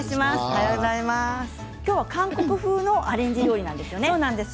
今日は韓国風のアレンジ料理ですね。